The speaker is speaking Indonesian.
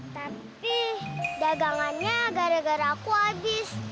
tapi dagangannya gara gara aku habis